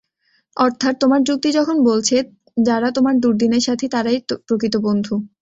অর্থাৎ, তোমার যুক্তি যখন বলছে, যারা তোমার দুর্দিনের সাথি, তারাই প্রকৃত বন্ধু।